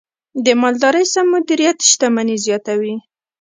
د مالدارۍ سم مدیریت شتمني زیاتوي.